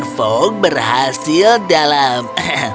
jika kau mempermanis kesepakatan aku akan mempermanis kesepakatan